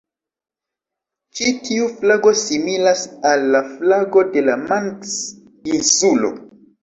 Ĉi tiu flago similas al la flago de la Manks-insulo.